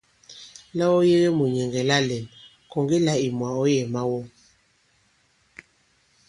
La ɔ yege mùnyɛ̀ŋgɛ̀ la lɛ̌n, kɔ̀ŋge là ìmwà ɔ̌ yɛ̀ mawɔ.